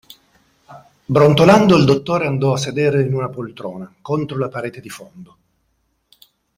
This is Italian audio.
Brontolando il dottore andò a sedere in una poltrona, contro la parete di fondo.